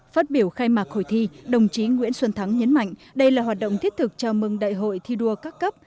phát biểu khai mạc hội thi đồng chí nguyễn xuân thắng nhấn mạnh đây là hoạt động thiết thực chào mừng đại hội thi đua các cấp